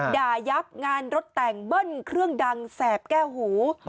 ยับงานรถแต่งเบิ้ลเครื่องดังแสบแก้วหู